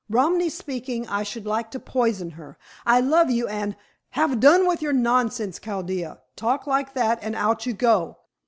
Romany speaking, I should like to poison her. I love you, and " "Have done with this nonsense, Chaldea. Talk like that and out you go.